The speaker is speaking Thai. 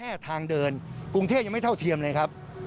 ทางเดินกรุงเทพยังไม่เท่าเทียมเลยครับ